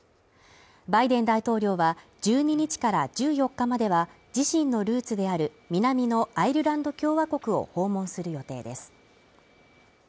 バイデン大統領は１２日から１４日までは、自身のルーツである南のアイルランド共和国を訪問する予定です。